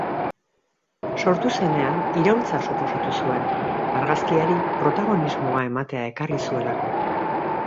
Sortu zenean, iraultza suposatu zuen, argazkiari protagonismoa ematea ekarri zuelako.